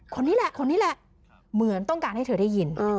คนนี้แหละคนนี้แหละเหมือนต้องการให้เธอได้ยิน